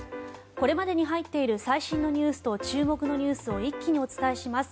これまでに入っている最新のニュースと注目のニュースを一気にお伝えします。